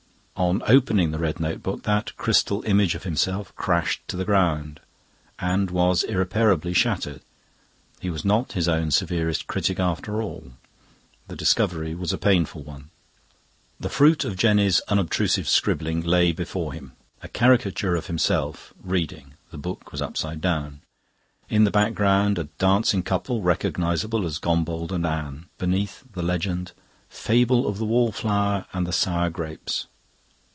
On opening the red notebook that crystal image of himself crashed to the ground, and was irreparably shattered. He was not his own severest critic after all. The discovery was a painful one. The fruit of Jenny's unobtrusive scribbling lay before him. A caricature of himself, reading (the book was upside down). In the background a dancing couple, recognisable as Gombauld and Anne. Beneath, the legend: "Fable of the Wallflower and the Sour Grapes."